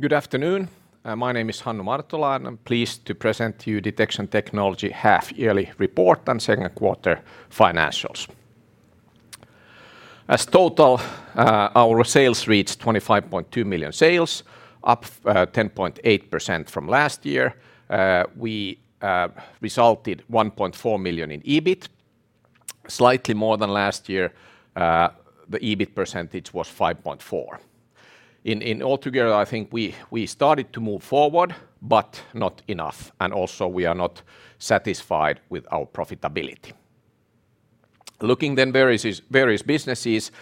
Good afternoon. My name is Hannu Martola, I'm pleased to present to you Detection Technology Half-Yearly Report on Second Quarter Financials. As total, our sales reached 25.2 million sales, up 10.8% from last year. We resulted 1.4 million in EBIT, slightly more than last year. The EBIT percentage was 5.4%. Altogether, I think we started to move forward, but not enough, also we are not satisfied with our profitability. Looking various businesses,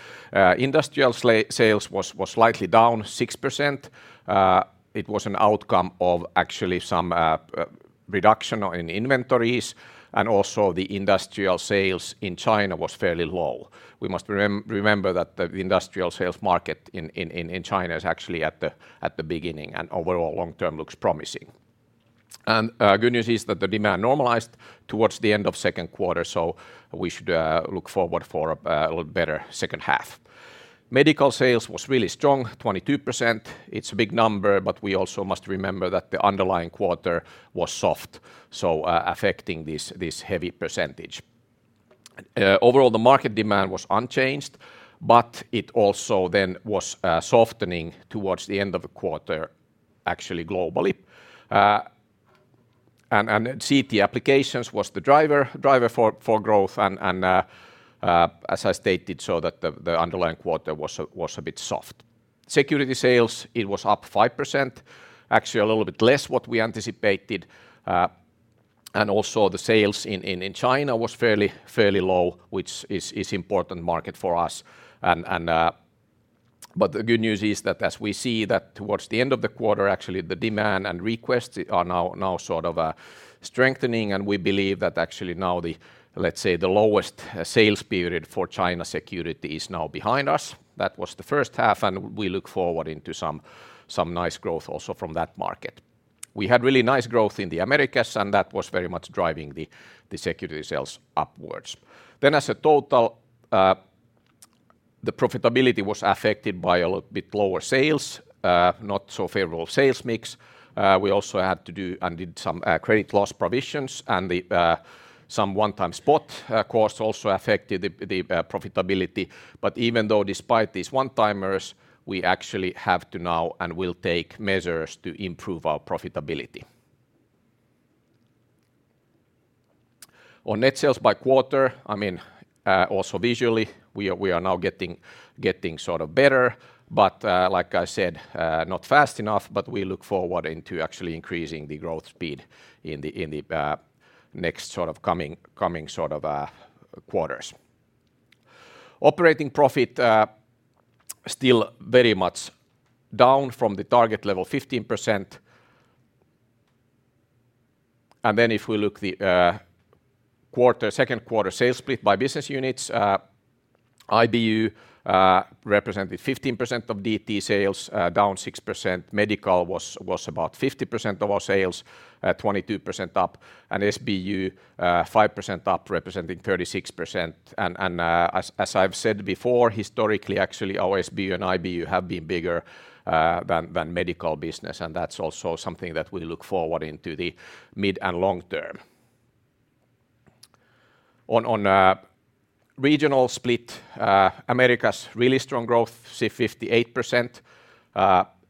industrial sales was slightly down 6%. It was an outcome of actually some reduction in inventories, also the industrial sales in China was fairly low. We must remember that the industrial sales market in, in, in, in China is actually at the, at the beginning, and overall long-term looks promising. Good news is that the demand normalized towards the end of second quarter, so we should look forward for a little better second half. Medical sales was really strong, 22%. It's a big number, but we also must remember that the underlying quarter was soft, so affecting this, this heavy percentage. Overall, the market demand was unchanged, but it also then was softening towards the end of the quarter, actually globally. CT applications was the driver, driver for, for growth, and, as I stated, so that the, the underlying quarter was a, was a bit soft. Security sales, it was up 5%, actually a little bit less what we anticipated. Also the sales in, in, in China was fairly, fairly low, which is, is important market for us. The good news is that as we see that towards the end of the quarter, actually, the demand and requests are now, now sort of strengthening, and we believe that actually now the, let's say, the lowest sales period for China security is now behind us. That was the first half, we look forward into some, some nice growth also from that market. We had really nice growth in the Americas, and that was very much driving the, the security sales upwards. As a total, the profitability was affected by a little bit lower sales, not so favorable sales mix. We also had to do and did some credit loss provisions, and the some one-time spot costs also affected the profitability. Even though despite these one-timers, we actually have to now and will take measures to improve our profitability. On net sales by quarter, I mean, also visually, we are, we are now getting, getting sort of better, but, like I said, not fast enough, but we look forward into actually increasing the growth speed in the next sort of coming, coming sort of quarters. Operating profit, still very much down from the target level, 15%. If we look the quarter, second quarter sales split by business units, IBU represented 15% of DT sales, down 6%. Medical was, was about 50% of our sales, 22% up, and SBU, 5% up, representing 36%. As, as I've said before, historically, actually, our SBU and IBU have been bigger than, than medical business, and that's also something that we look forward into the mid and long term. On, on regional split, Americas, really strong growth, say, 58%.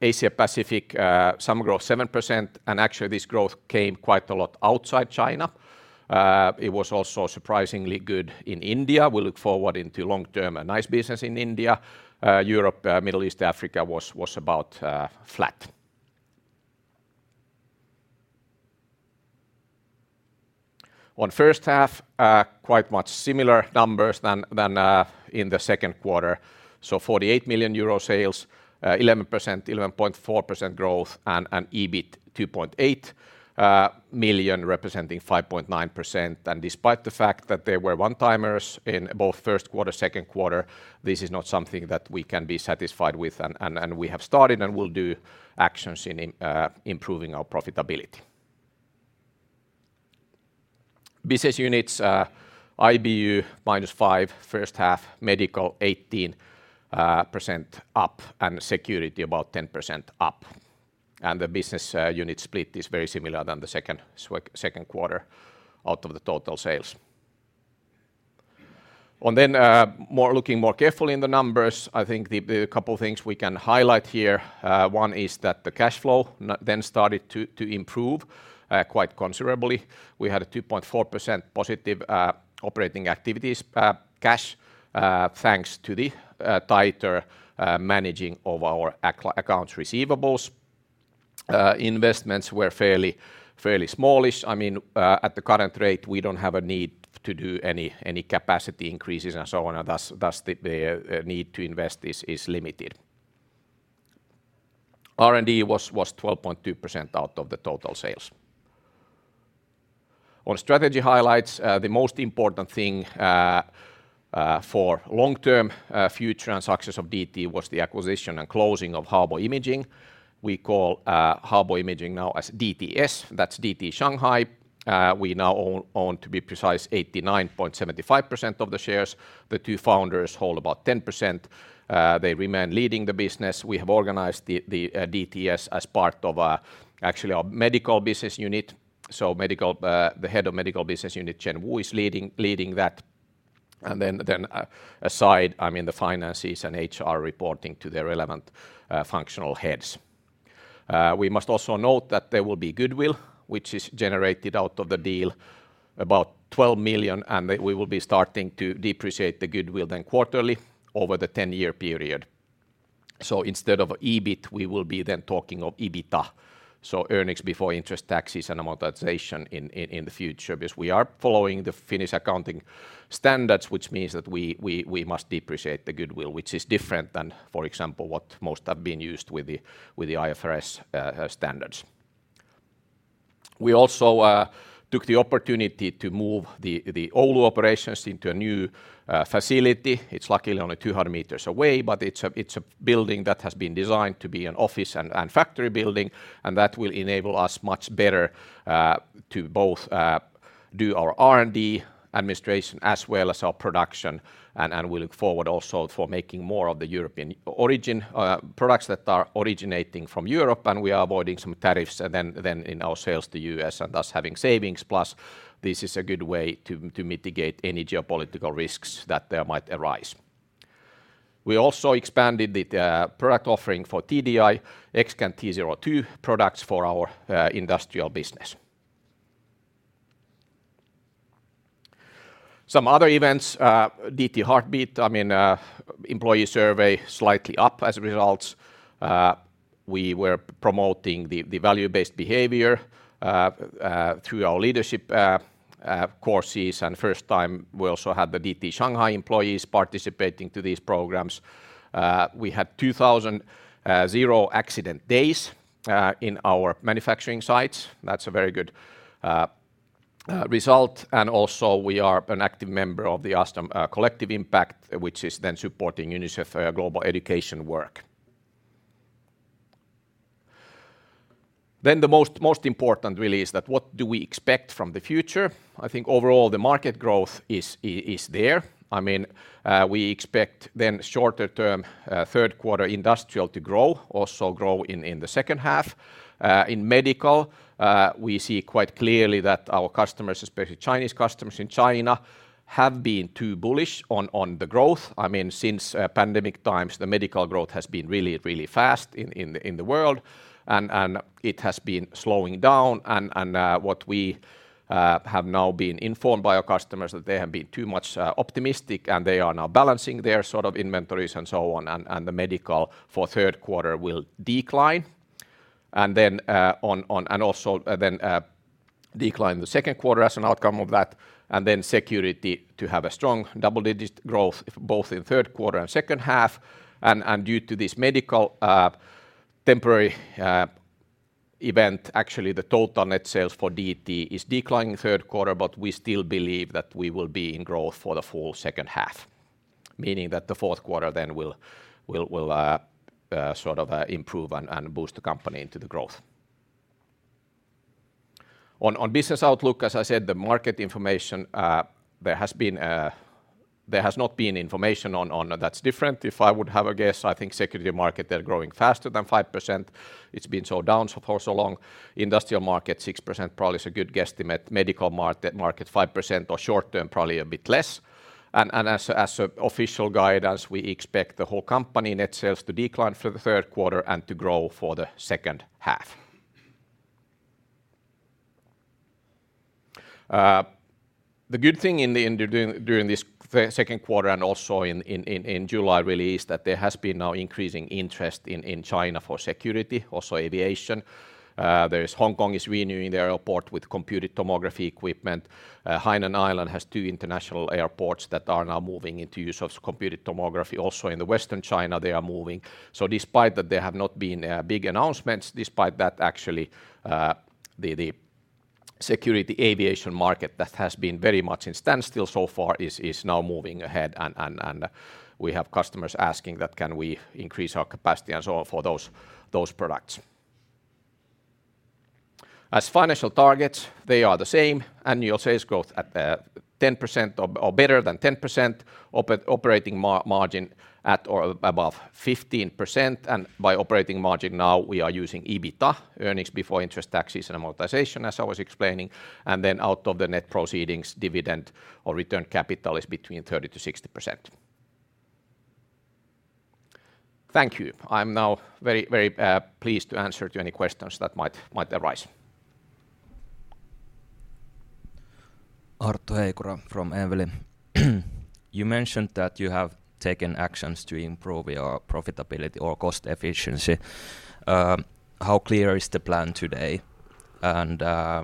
Asia Pacific, some growth, 7%, and actually, this growth came quite a lot outside China. It was also surprisingly good in India. We look forward into long-term a nice business in India. Europe, Middle East, Africa was, was about flat. On first half, quite much similar numbers than, than in the second quarter. 48 million euro sales, 11%, 11.4% growth, and EBIT, 2.8 million, representing 5.9%. Despite the fact that there were one-timers in both first quarter, second quarter, this is not something that we can be satisfied with, and we have started and will do actions in improving our profitability. Business units, IBU, -5% first half, medical, 18% up, and security, about 10% up. The business unit split is very similar than the second quarter out of the total sales. Looking more carefully in the numbers, I think the couple of things we can highlight here, one is that the cash flow then started to improve quite considerably. We had a 2.4% positive operating activities cash, thanks to the tighter managing of our accounts receivables. Investments were fairly, fairly smallish. I mean, at the current rate, we don't have a need to do any, any capacity increases, and so on, and thus the need to invest is limited. R&D was 12.2% out of the total sales. On strategy highlights, the most important thing for long-term future and success of DT was the acquisition and closing of Haobo Imaging. We call Haobo Imaging now as DTS, that's DT Shanghai. We now own to be precise, 89.75% of the shares. The two founders hold about 10%. They remain leading the business. We have organized the, the DTS as part of, actually our medical business unit. Medical, the head of medical business unit, Chen Wu, is leading, leading that. Then, then, aside, I mean, the finances and HR reporting to their relevant, functional heads. We must also note that there will be goodwill, which is generated out of the deal, about 12 million, and that we will be starting to depreciate the goodwill then quarterly over the 10-year period. Instead of EBIT, we will be then talking of EBITDA, so earnings before interest, taxes, and amortization in, in, in the future. Because we are following the Finnish accounting standards, which means that we, we, we must depreciate the goodwill, which is different than, for example, what most have been used with the, with the IFRS, standards. We also took the opportunity to move the Oulu operations into a new facility. It's luckily only 200 meters away, but it's a building that has been designed to be an office and factory building, that will enable us much better to both do our R&D administration as well as our production. We look forward also for making more of the European origin products that are originating from Europe, and we are avoiding some tariffs than in our sales to U.S., and thus having savings, plus this is a good way to mitigate any geopolitical risks that there might arise. We also expanded the product offering for TDI, X-Scan T02 products for our industrial business. Some other events, DT Heartbeat, I mean, employee survey, slightly up as a result. We were promoting the, the value-based behavior through our leadership courses, and first time, we also had the DT Shanghai employees participating to these programs. We had 2,000 zero accident days in our manufacturing sites. That's a very good result. Also, we are an active member of the Ahlström Collective Impact, which is then supporting UNICEF Global Education Work. The most, most important really is that what do we expect from the future? I think overall the market growth is there. I mean, we expect then shorter term, third quarter industrial to grow, also grow in, in the second half. In Medical, we see quite clearly that our customers, especially Chinese customers in China, have been too bullish on, on the growth. I mean, since COVID times, the Medical has been really, really fast in, in, in the world, and it has been slowing down. What we have now been informed by our customers that they have been too much optimistic, and they are now balancing their sort of inventories and so on, and the Medical for third quarter will decline. Decline in the second quarter as an outcome of that, and then security to have a strong double-digit growth, if both in third quarter and second half. Due to this medical, temporary event, actually, the total net sales for DT is declining third quarter, but we still believe that we will be in growth for the full second half, meaning that the fourth quarter then will, will, will sort of improve and boost the company into the growth. On business outlook, as I said, the market information, there has been, there has not been information on that's different. If I would have a guess, I think security market, they're growing faster than 5%. It's been so down for so long. Industrial market, 6% probably is a good guesstimate. Medical market, 5%, or short term, probably a bit less. As an official guide, as we expect the whole company net sales to decline for the third quarter and to grow for the second half. The good thing during this second quarter and also in July really is that there has been now increasing interest in China for security, also aviation. There is Hong Kong is renewing their airport with computed tomography equipment. Hainan Island has two international airports that are now moving into use of computed tomography. Also in the Western China, they are moving. Despite that, there have not been big announcements, despite that, actually, the security aviation market that has been very much in standstill so far is now moving ahead, and we have customers asking that, "Can we increase our capacity and so on for those products?" As financial targets, they are the same: annual sales growth at 10% or better than 10%, operating margin at or above 15%. By operating margin now, we are using EBITDA, earnings before interest, taxes, and amortization, as I was explaining. Out of the net proceedings, dividend or return capital is between 30%-60%. Thank you. I'm now very, very pleased to answer to any questions that might arise. Arto Heikura from Evli. You mentioned that you have taken actions to improve your profitability or cost efficiency. How clear is the plan today, and I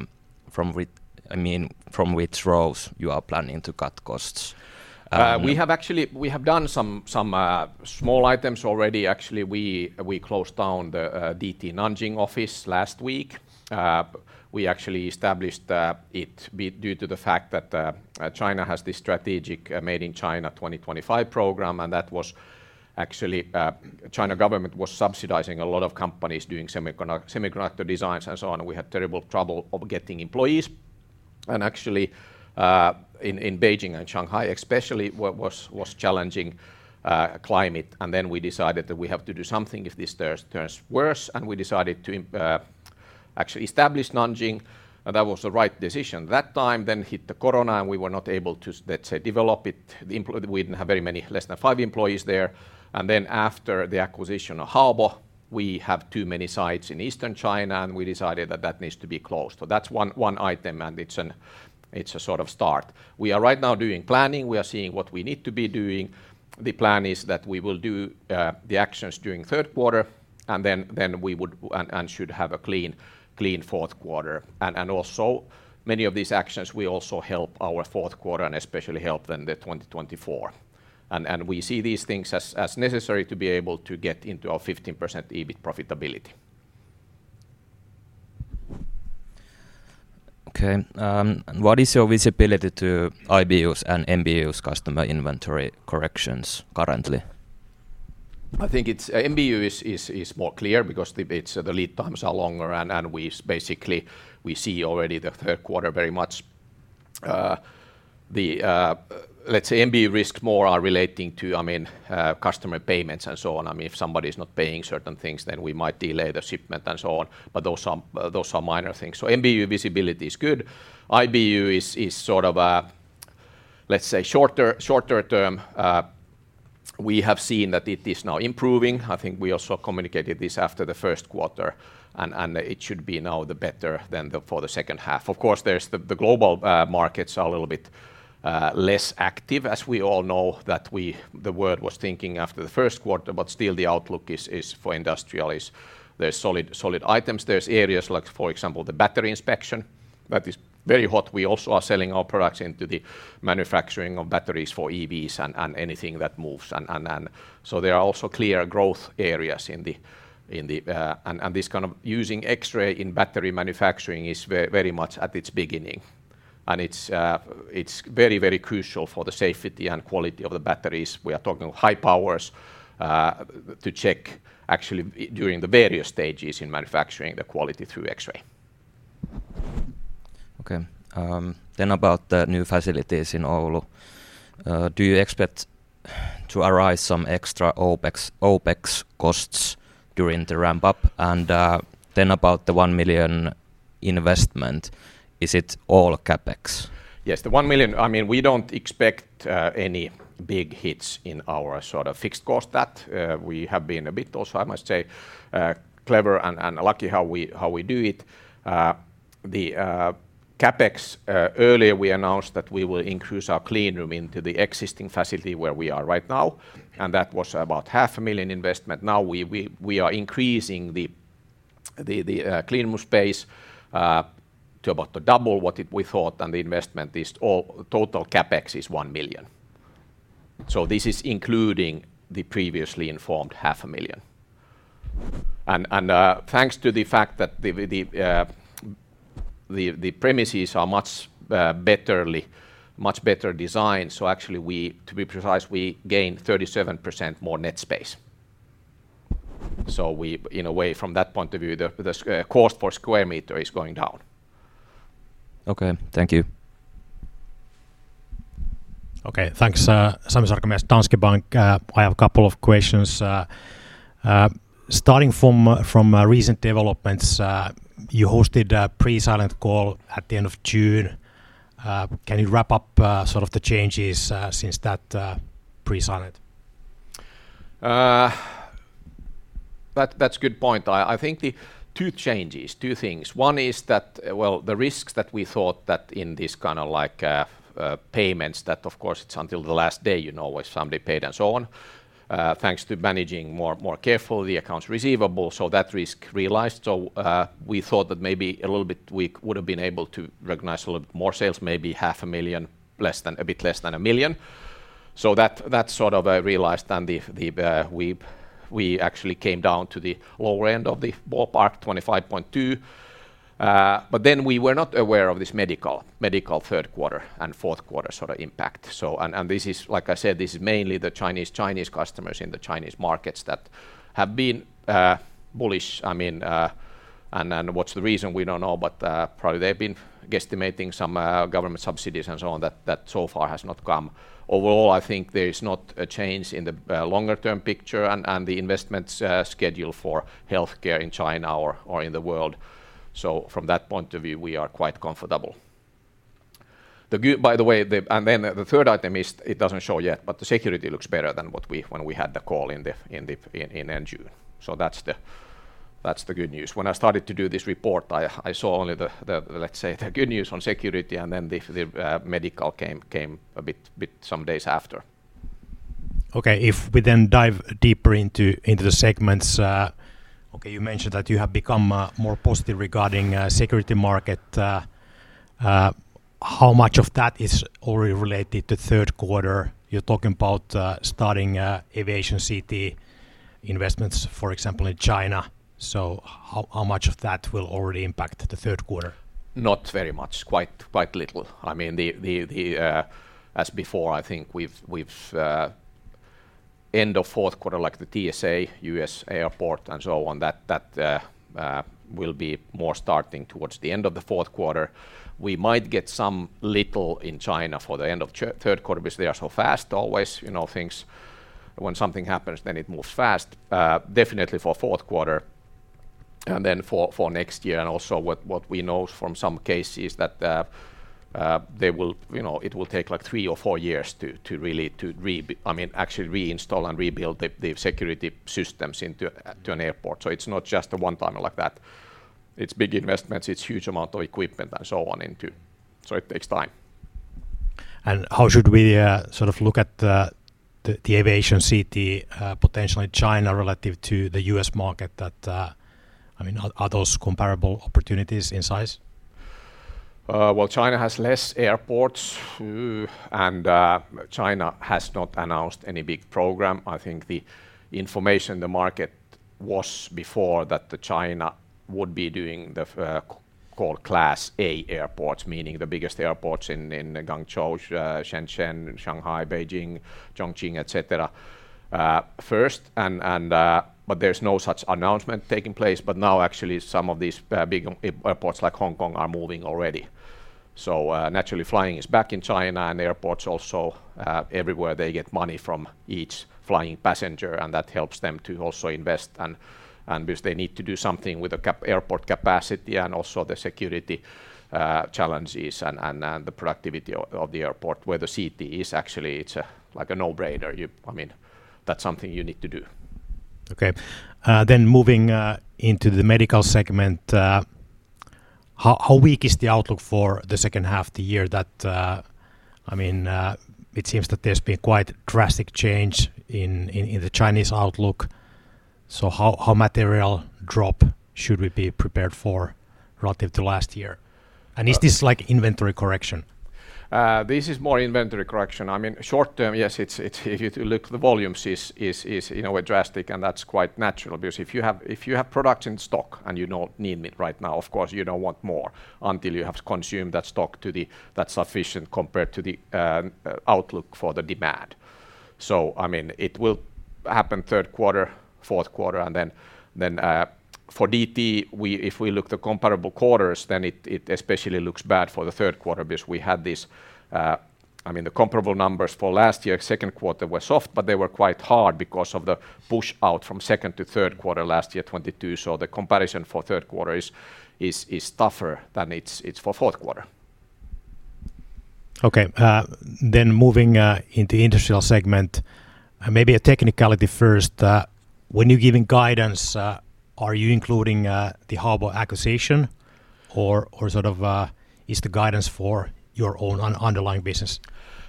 mean, from which roles you are planning to cut costs? We have actually, we have done some, some small items already. Actually, we, we closed down the DT Nanjing office last week. We actually established it due to the fact that China has this strategic Made in China 2025 program, and that was actually, China government was subsidizing a lot of companies doing semiconductor designs and so on, and we had terrible trouble of getting employees. Actually, in Beijing and Shanghai especially, what was, was challenging climate. We decided that we have to do something if this turns, turns worse, and we decided to actually establish Nanjing, and that was the right decision. That time then hit the corona, and we were not able to, let's say, develop it. We didn't have very many, less than five employees there. Then after the acquisition of Haobo, we have too many sites in Eastern China, and we decided that that needs to be closed. That's one, one item, and it's an, it's a sort of start. We are right now doing planning. We are seeing what we need to be doing. The plan is that we will do the actions during third quarter, and then, then we would and, and should have a clean, clean fourth quarter. Also, many of these actions will also help our fourth quarter and especially help in the 2024. We see these things as, as necessary to be able to get into our 15% EBIT profitability. Okay. What is your visibility to IBU's and MBU's customer inventory corrections currently? I think it's MBU is more clear because the lead times are longer and we basically, we see already the third quarter very much. let's say, MBU risks more are relating to, I mean, customer payments and so on. I mean, if somebody's not paying certain things, we might delay the shipment and so on, but those are minor things. MBU visibility is good. IBU is sort of a, let's say, shorter term. We have seen that it is now improving. I think we also communicated this after the first quarter, and it should be now the better than the, for the second half. Of course, there's the, the global, markets are a little bit, less active, as we all know that the world was thinking after the first quarter, but still the outlook is, is for industrial is there's solid, solid items. There's areas like, for example, the battery inspection, that is very hot. We also are selling our products into the manufacturing of batteries for EVs and, and anything that moves. So there are also clear growth areas in the, in the. This kind of using X-ray in battery manufacturing is very much at its beginning. It's, it's very, very crucial for the safety and quality of the batteries. We are talking high powers, to check actually, during the various stages in manufacturing the quality through X-ray. Okay. About the new facilities in Oulu, do you expect to arise some extra OpEx, OpEx costs during the ramp up? About the 1 million investment, is it all CapEx? Yes, the 1 million. I mean, we don't expect any big hits in our sort of fixed cost that. We have been a bit also, I must say, clever and lucky how we, how we do it. The CapEx earlier we announced that we will increase our clean room into the existing facility where we are right now, and that was about 500,000 investment. Now we, we, we are increasing the, the, the clean room space to about double what it we thought, and the investment is total CapEx is 1 million. This is including the previously informed 500,000. Thanks to the fact that the, the, the, the premises are much betterly, much better designed, so actually we, to be precise, we gained 37% more net space. We, in a way, from that point of view, the, the cost per square meter is going down. Okay. Thank you. Okay, thanks, Sami Sarkamies, Danske Bank. I have a couple of questions. Starting from, from recent developments, you hosted a pre-silent call at the end of June. Can you wrap up sort of the changes since that pre-silent? That, that's a good point. I, I think the two changes, two things: One is that, well, the risks that we thought that in this kind of like, payments, that of course, it's until the last day, you know, if somebody paid and so on. Thanks to managing more, more carefully the accounts receivable, so that risk realized. We thought that maybe a little bit we would have been able to recognize a little more sales, maybe 500,000, less than, a bit less than 1 million. That, that sort of, realized and the we, we actually came down to the lower end of the ballpark, 25.2 million. Then we were not aware of this medical, Medical third quarter and fourth quarter sort of impact. And, and this is, like I said, this is mainly the Chinese, Chinese customers in the Chinese markets that have been bullish. I mean, and, and what's the reason? We don't know, but probably they've been guesstimating some government subsidies and so on, that, that so far has not come. I think there is not a change in the longer-term picture and, and the investments schedule for healthcare in China or, or in the world. From that point of view, we are quite comfortable. The good... By the way, the, and then the third item is, it doesn't show yet, but the security looks better than what we when we had the call in the, in the, in, in June. That's the, that's the good news. When I started to do this report, I, I saw only the, the, let's say, the good news on security, and then the, the, medical came, came a bit, bit some days after. Okay, if we dive deeper into the segments... Okay, you mentioned that you have become more positive regarding security market. How much of that is already related to third quarter? You're talking about starting aviation CT investments, for example, in China. How much of that will already impact the third quarter? Not very much. Quite, quite little. I mean, the, the, the, as before, I think we've, we've, end of fourth quarter, like the TSA, U.S. airport, and so on, that, that, will be more starting towards the end of the fourth quarter. We might get some little in China for the end of third quarter because they are so fast always. You know, things, when something happens, then it moves fast. Definitely for fourth quarter, and then for, for next year, and also what, what we know from some cases that, they will, you know, it will take, like, 3 or 4 years to, to really, I mean, actually reinstall and rebuild the, the security systems into, to an airport. So it's not just a one-timer like that. It's big investments, it's huge amount of equipment and so on into, so it takes time. How should we sort of look at the, the, the aviation CT potentially China relative to the U.S. market that, I mean, are, are those comparable opportunities in size? Well, China has less airports, and China has not announced any big program. I think the information the market was before that China would be doing the called Class A airports, meaning the biggest airports in, in Guangzhou, Shenzhen, and Shanghai, Beijing, Chongqing, et cetera, first, and there's no such announcement taking place. Now actually some of these big airports like Hong Kong are moving already. Naturally, flying is back in China and airports also everywhere they get money from each flying passenger, and that helps them to also invest, and because they need to do something with the airport capacity and also the security challenges and the productivity of the airport, where the CT is actually, it's a like a no-brainer. I mean, that's something you need to do. Okay. Moving into the medical segment, how, how weak is the outlook for the second half of the year? I mean, it seems that there's been quite drastic change in the Chinese outlook. How, how material drop should we be prepared for relative to last year? Uh- Is this like inventory correction? This is more inventory correction. I mean, short term, yes, it's, it's, if you to look, the volumes is, is, is, in a way, drastic, and that's quite natural. If you have, if you have products in stock, and you don't need it right now, of course, you don't want more until you have consumed that stock to the, that's sufficient compared to the outlook for the demand. I mean, it will happen third quarter, fourth quarter, and then, then for DT, if we look the comparable quarters, then it, it especially looks bad for the third quarter because we had this. I mean, the comparable numbers for last year, second quarter were soft, but they were quite hard because of the push-out from second to third quarter last year, 2022. The comparison for third quarter is, is, is tougher than it's, it's for fourth quarter. Okay, moving into industrial segment, maybe a technicality first. When you're giving guidance, are you including the Haobo acquisition, or sort of, is the guidance for your own underlying business?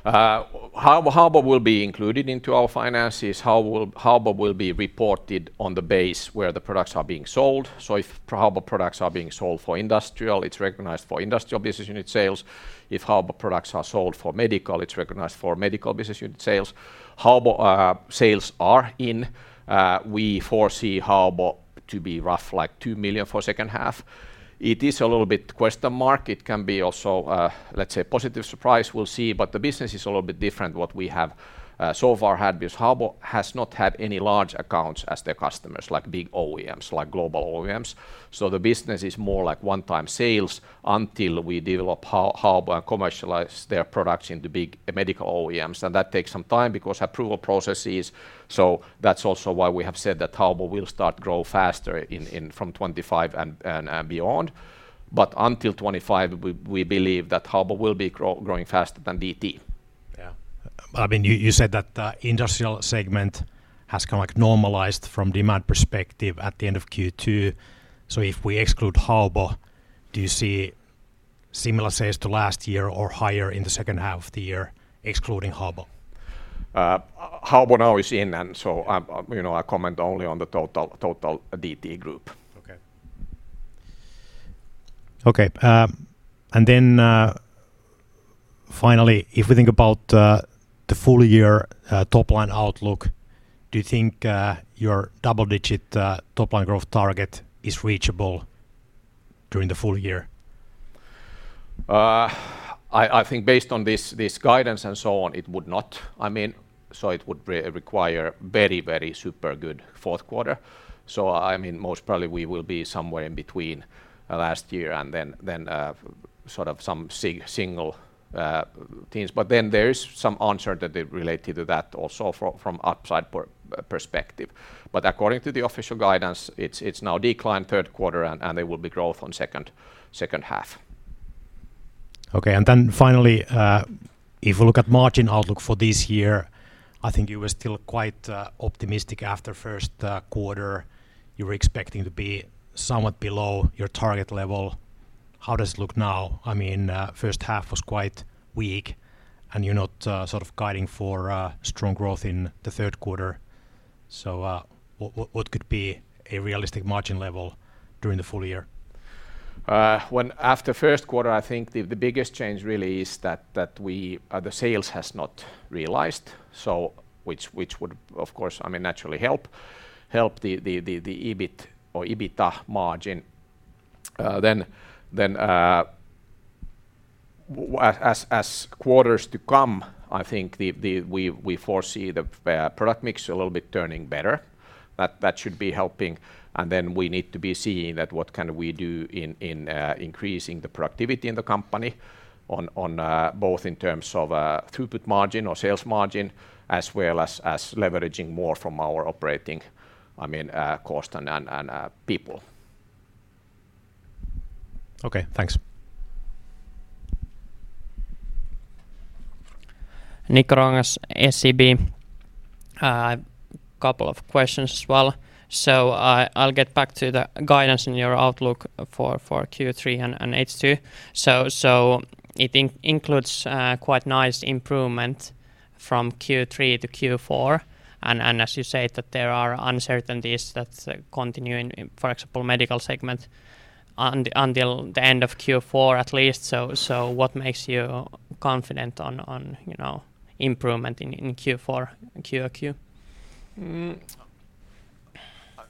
Haobo, Haobo will be included into our finances. Haobo, Haobo will be reported on the base where the products are being sold. If Haobo products are being sold for industrial, it's recognized for industrial business unit sales. If Haobo products are sold for medical, it's recognized for medical business unit sales. Haobo sales are in, we foresee Haobo to be rough, like, 2 million for second half. It is a little bit question mark. It can be also, let's say, positive surprise, we'll see. The business is a little bit different, what we have so far had, because Haobo has not had any large accounts as their customers, like big OEMs, like global OEMs. The business is more like one-time sales until we develop Haobo and commercialize their products in the big medical OEMs, and that takes some time because approval processes. That's also why we have said that Haobo will start grow faster in from 2025 and beyond. Until 2025, we, we believe that Haobo will be growing faster than DT. Yeah. I mean, you, you said that the industrial segment has kind of like normalized from demand perspective at the end of Q2. If we exclude Haobo, do you see similar sales to last year or higher in the second half of the year, excluding Haobo? Haobo now is in, and so I'm, you know, I comment only on the total, total DT group. Okay. Okay, then, finally, if we think about the full year top-line outlook, do you think your double-digit top-line growth target is reachable during the full year? I, I think based on this, this guidance and so on, it would not. I mean, it would require very, very super good fourth quarter. I mean, most probably we will be somewhere in between last year and then, then, sort of some single things. Then there is some uncertainty related to that also from, from upside perspective. According to the official guidance, it's, it's now declined third quarter, and, and there will be growth on second, second half. Okay, then finally, if we look at margin outlook for this year, I think you were still quite optimistic after first quarter. You were expecting to be somewhat below your target level. How does it look now? I mean, first half was quite weak, and you're not sort of guiding for strong growth in the third quarter. What, what, what could be a realistic margin level during the full year? When after first quarter, I think the, the biggest change really is that, that we, the sales has not realized. Which, which would, of course, I mean, naturally help, help the, the, the, the EBIT or EBITDA margin. As quarters to come, I think the, the, we, we foresee the product mix a little bit turning better. That, that should be helping, and then we need to be seeing that what can we do in, in increasing the productivity in the company on, on both in terms of throughput margin or sales margin, as well as, as leveraging more from our operating, I mean, cost and, and people. Okay, thanks. Nikko Ruokangas, SEB. Couple of questions as well. I'll get back to the guidance in your outlook for Q3 and H2. It includes quite nice improvement from Q3 to Q4, and as you said, that there are uncertainties that continue in, for example, medical segment until the end of Q4 at least. What makes you confident on, you know, improvement in Q4 and QoQ? I,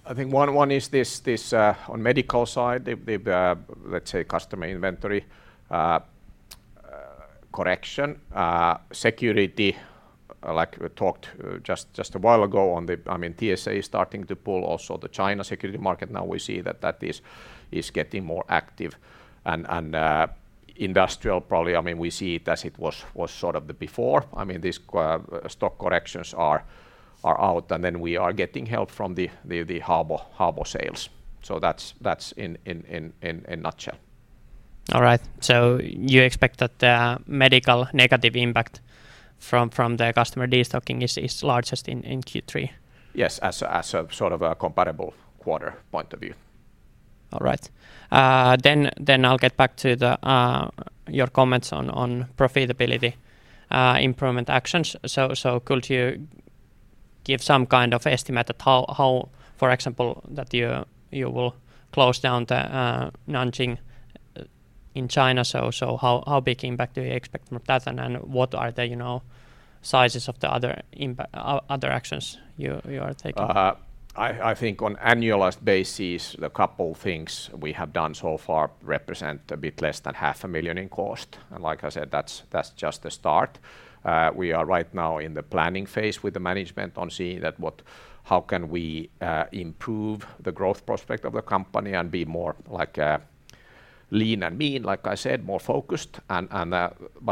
I think one, one is this, this on medical side, the, the, let's say, customer inventory correction. Security, like we talked just a while ago, I mean, TSA is starting to pull also the China security market. Now we see that that is getting more active. Industrial probably, I mean, we see it as it was, was sort of the before. I mean, these stock corrections are out, and then we are getting help from the Haobo sales. That's in nutshell. All right. You expect that, medical negative impact from, from the customer destocking is, is largest in, in Q3? Yes, as a, as a sort of a compatible quarter point of view. All right. Then I'll get back to the, your comments on, on profitability, improvement actions. Could you give some kind of estimate at how, how, for example, that you, you will close down the, Nanjing, in China? How, how big impact do you expect from that? What are the, you know, sizes of the other actions you, you are taking? I think on annualized basis, the couple things we have done so far represent a bit less than 500,000 in cost. Like I said, that's just the start. We are right now in the planning phase with the management on seeing that what how can we improve the growth prospect of the company and be more like a lean and mean, like I said, more focused.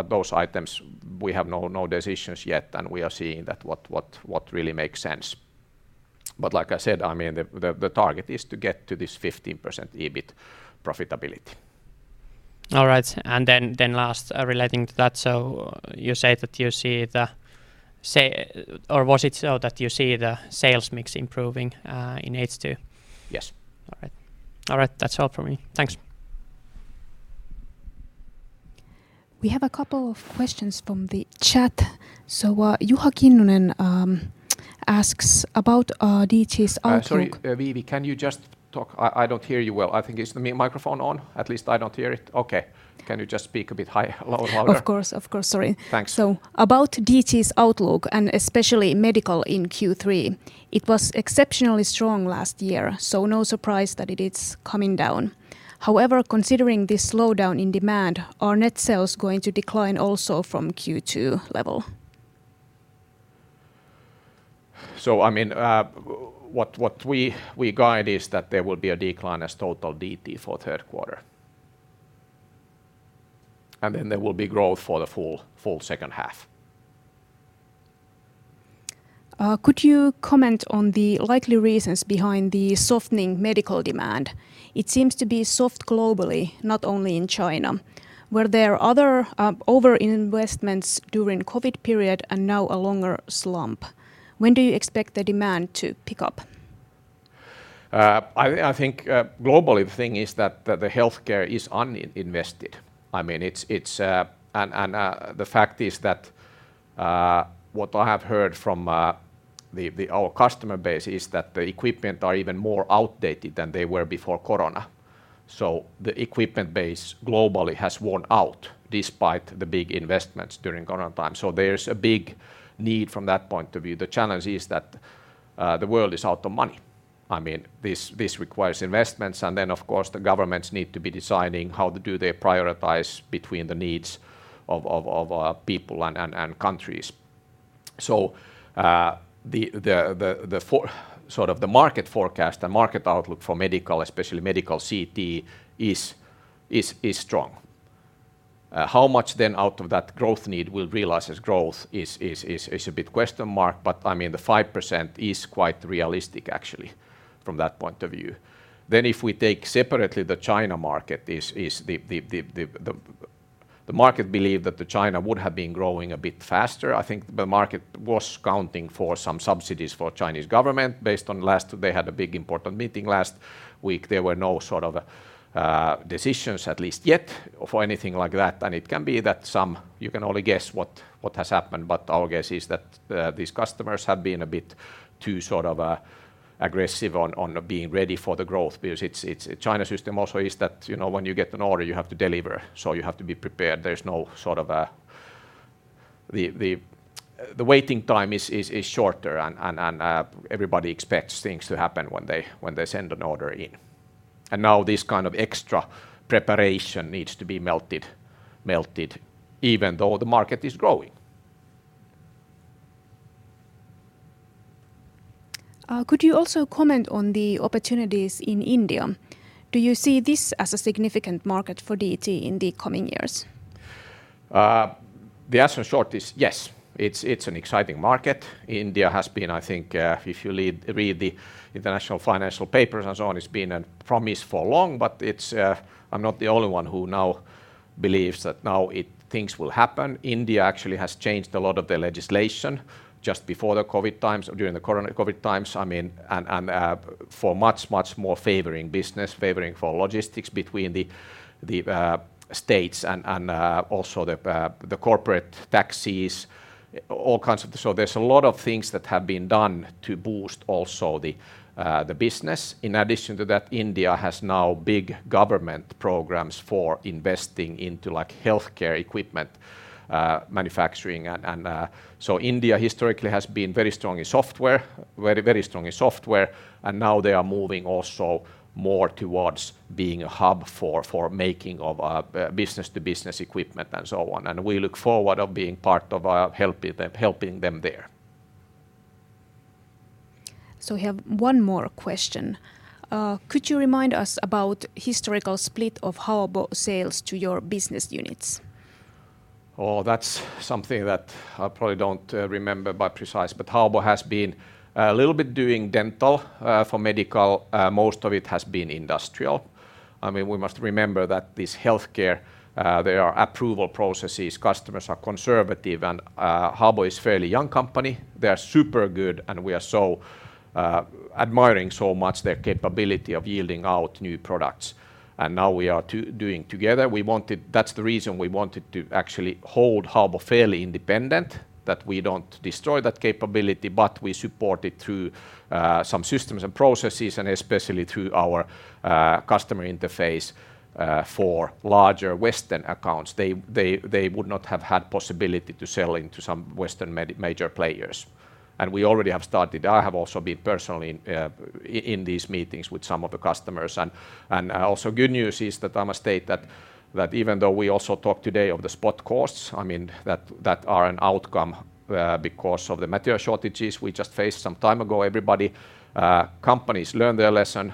Those items, we have no decisions yet, and we are seeing that what really makes sense. Like I said, I mean, the target is to get to this 15% EBIT profitability. All right. Then, then last, relating to that, so you say that you see the sa- or was it so that you see the sales mix improving, in H2? Yes. All right. All right, that's all for me. Thanks. We have a couple of questions from the chat. Yohakin Nunan asks about DT's outlook- Sorry, Vivi, can you just talk? I, I don't hear you well. I think, is the microphone on? At least I don't hear it. Okay. Can you just speak a bit high, louder? Of course, of course. Sorry. Thanks. About DT's outlook, and especially medical in Q3, it was exceptionally strong last year, so no surprise that it is coming down. However, considering this slowdown in demand, are net sales going to decline also from Q2 level? I mean, what we guide is that there will be a decline as total DT for third quarter. Then there will be growth for the full second half. Could you comment on the likely reasons behind the softening medical demand? It seems to be soft globally, not only in China. Were there other over-investments during COVID period and now a longer slump? When do you expect the demand to pick up? I, I think, globally, the thing is that the healthcare is uninvested. I mean, it's, it's. The fact is that what I have heard from the, the, our customer base is that the equipment are even more outdated than they were before corona. The equipment base globally has worn out despite the big investments during COVID times. There's a big need from that point of view. The challenge is that the world is out of money. I mean, this, this requires investments, and then, of course, the governments need to be deciding how to do they prioritize between the needs of, of, of people and, and, and countries. The, the, the, the sort of the market forecast, the market outlook for medical, especially medical CT, is, is, is strong. How much out of that growth need we'll realize as growth is, is, is, is a big question mark, but, I mean, the 5% is quite realistic actually, from that point of view. If we take separately the China market, is, is the, the, the, the, the, the market believe that the China would have been growing a bit faster. I think the market was counting for some subsidies for Chinese government, based on last. They had a big important meeting last week. There were no sort of decisions, at least yet, for anything like that. It can be that you can only guess what, what has happened, but our guess is that these customers have been a bit too sort of aggressive on, on being ready for the growth. Because it's, it's, China system also is that, you know, when you get an order, you have to deliver, so you have to be prepared. There's no sort of. The, the, the waiting time is, is, is shorter, and, and, and, everybody expects things to happen when they, when they send an order in. Now this kind of extra preparation needs to be melted, melted, even though the market is growing. Could you also comment on the opportunities in India? Do you see this as a significant market for DT in the coming years? The answer short is yes. It's, it's an exciting market. India has been, I think, if you read the international financial papers and so on, it's been a promise for long, but it's, I'm not the only one who now believes that now things will happen. India actually has changed a lot of the legislation just before the COVID times or during the COVID times. I mean, for much, much more favoring business, favoring for logistics between the states and also the corporate taxis, all kinds of. There's a lot of things that have been done to boost also the business. In addition to that, India has now big government programs for investing into, like, healthcare equipment, manufacturing. India historically has been very strong in software, very, very strong in software, and now they are moving also more towards being a hub for, for making of business-to-business equipment and so on. We look forward of being part of helping them, helping them there. We have one more question. Could you remind us about historical split of Haobo sales to your business units? Oh, that's something that I probably don't remember by precise, but Haobo has been a little bit doing dental for medical. Most of it has been industrial. I mean, we must remember that this healthcare, there are approval processes, customers are conservative, and Haobo is fairly young company. They are super good, and we are so admiring so much their capability of yielding out new products. Now we are doing together. That's the reason we wanted to actually hold Haobo fairly independent, that we don't destroy that capability, but we support it through some systems and processes, and especially through our customer interface for larger Western accounts. They would not have had possibility to sell into some Western major players. We already have started. I have also been personally in these meetings with some of the customers. Also good news is that I'm gonna state that, that even though we also talked today of the spot costs, I mean, that, that are an outcome, because of the material shortages we just faced some time ago, everybody. Companies learn their lesson.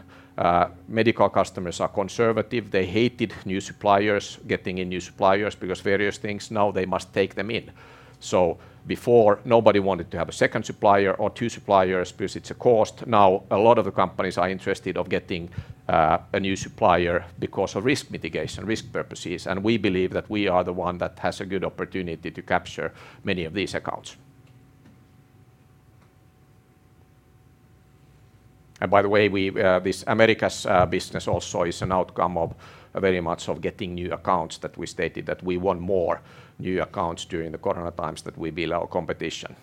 Medical customers are conservative. They hated new suppliers, getting in new suppliers because various things, now they must take them in. Before, nobody wanted to have a second supplier or two suppliers because it's a cost. Now, a lot of the companies are interested of getting a new supplier because of risk mitigation, risk purposes, and we believe that we are the one that has a good opportunity to capture many of these accounts. By the way, we, this Americas business also is an outcome of, very much of getting new accounts, that we stated that we want more new accounts during the corona times than we build our competition.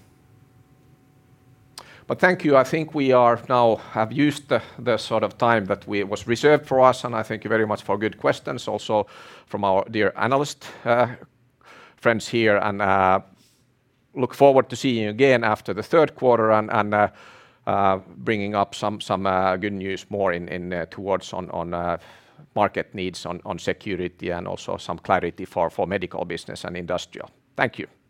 Thank you. I think we are now have used the, the sort of time that we was reserved for us, and I thank you very much for good questions, also from our dear analyst friends here. Look forward to seeing you again after the third quarter and, and, bringing up some, some, good news more in, in, towards on, on, market needs, on, on security, and also some clarity for, for medical business and industrial. Thank you!